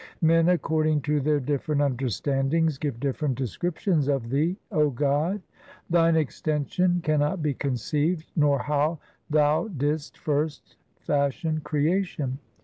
Men according to their different understandings Give different descriptions of Thee, 0 God. Thine extension cannot be conceived, Nor how Thou didst first fashion creation.